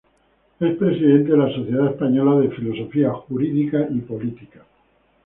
Es Presidente de la Sociedad Española de Filosofía Jurídica y Política.